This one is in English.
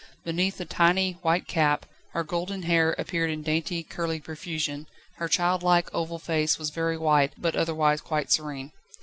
Beneath the tiny, white cap her golden hair appeared in dainty, curly profusion; her child like, oval face was very white, but otherwise quite serene.